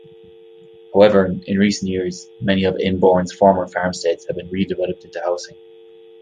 However, in recent years, many of Enborne's former farmsteads have been redeveloped into housing.